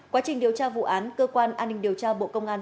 quá trình điều tra vụ án cơ quan an ninh điều tra bộ công an